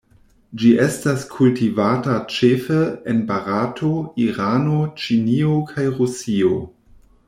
Ĝi estas kultivata ĉefe en Barato, Irano, Ĉinio, kaj Rusio.